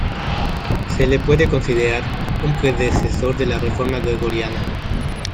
Se le puede considerar un predecesor de la Reforma gregoriana.